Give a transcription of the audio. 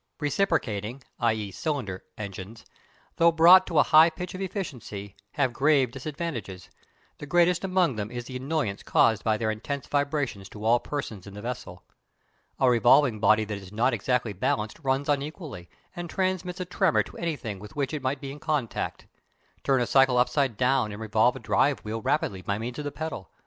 Reciprocating (i.e. cylinder) engines, though brought to a high pitch of efficiency, have grave disadvantages, the greatest among which is the annoyance caused by their intense vibration to all persons in the vessel. A revolving body that is not exactly balanced runs unequally, and transmits a tremor to anything with which it may be in contact. Turn a cycle upside down and revolve the driving wheel rapidly by means of the pedal.